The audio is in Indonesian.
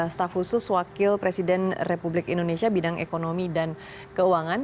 staf khusus wakil presiden republik indonesia bidang ekonomi dan keuangan